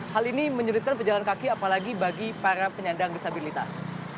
hal ini menyulitkan pejalan kaki apalagi bagi para penyandang disabilitas